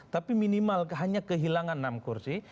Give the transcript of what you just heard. tapi minimal hanya kehilangan enam kursi